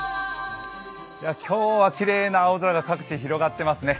今日はきれいな青空が各地広がってますね。